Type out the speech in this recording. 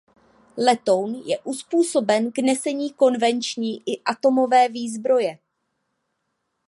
Letoun je uzpůsoben k nesení konvenční i atomové výzbroje.